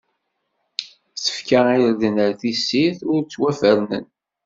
Tefka irden ar tessirt, ur ttwafernen.